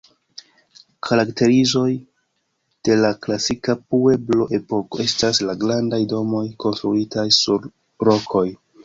Karakterizoj de la klasika pueblo-epoko estas la grandaj domoj konstruitaj sur rokoj.